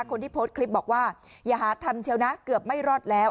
คนที่โพสต์คลิปบอกว่าอย่าหาทำเชียวนะเกือบไม่รอดแล้ว